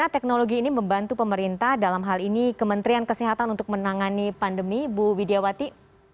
teknologi ini membantu pemerintah dalam hal ini kementerian kesehatan untuk menangani pandemi bu widiawati